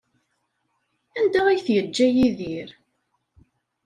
Anda ay t-yeǧǧa Yidir?